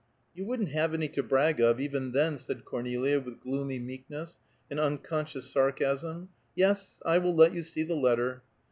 "You wouldn't have any to brag of, even then," said Cornelia with gloomy meekness, and unconscious sarcasm. "Yes, I will let you see the letter."